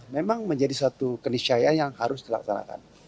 memang menjadi satu keniscayaan yang harus dilaksanakan